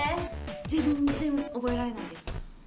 全然覚えられないです。